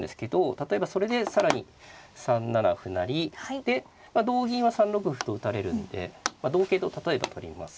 例えばそれで更に３七歩成で同銀は３六歩と打たれるんで同桂と例えば取ります。